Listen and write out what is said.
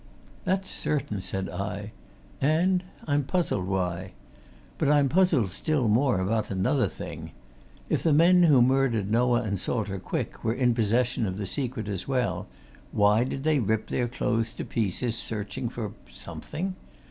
"That's certain," said I. "And I'm puzzled why. But I'm puzzled still more about another thing. If the men who murdered Noah and Salter Quick were in possession of the secret as well, why did they rip their clothes to pieces, searching for something?